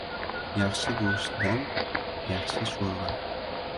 • Yaxshi go‘shtdan ― yaxshi sho‘rva.